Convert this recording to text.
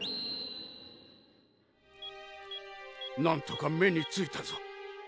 なんとか目に着いたぞ。